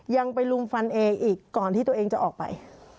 ยังไปลุมฟันเออีกก่อนที่ตัวเองจะออกไป